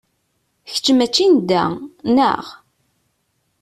Kečč mačči n da, neɣ?